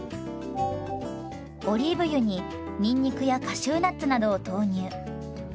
オリーブ油ににんにくやカシューナッツなどを投入。